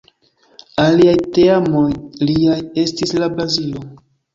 Aliaj teamoj liaj estis de Brazilo.